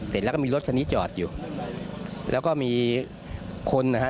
เสร็จแล้วก็มีรถคันนี้จอดอยู่แล้วก็มีคนนะฮะ